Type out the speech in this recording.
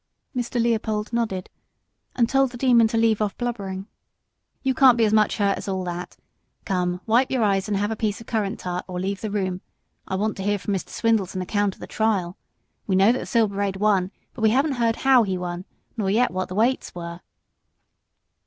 Mr. Leopold nodded, and told the Demon to leave off blubbering. "You can't be so much hurt as all that. Come, wipe your eyes and have a piece of currant tart, or leave the room. I want to hear from Mr. Swindles an account of the trial. We know that Silver Braid won, but we haven't heard how he won nor yet what the weights were."